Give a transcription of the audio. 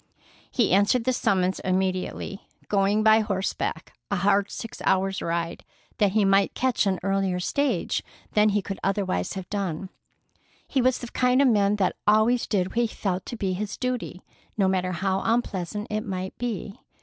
He answered the summons immediately, going by horseback a hard six hours ride that he might catch an earlier stage than he could otherwise have done. He was the kind of man that always did what he felt to be his duty, no matter how unpleasant it might be.